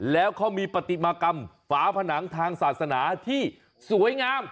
แล้วเขามีปฏิมากรรมฝาผนังทางศาสนาที่สวยงาม